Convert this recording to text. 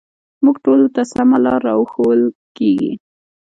موږ ټولو ته سمه لاره راښوول کېږي